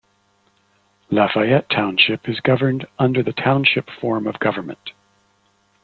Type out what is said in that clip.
Lafayette Township is governed under the Township form of government.